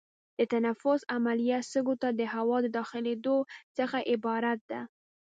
د تنفس عملیه سږو ته د هوا د داخلېدو څخه عبارت ده.